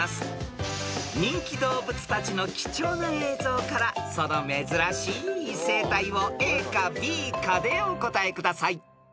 ［人気動物たちの貴重な映像からその珍しい生態をＡかＢかでお答えください］